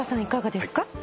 いかがですか？